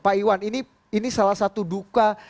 pak iwan ini salah satu duka